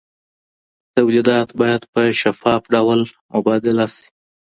تولیدات باید په شفاف ډول مبادله سي.